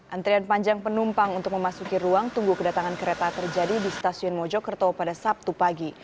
antrian panjang penumpang untuk memasuki ruang tunggu kedatangan kereta terjadi di stasiun mojokerto pada sabtu pagi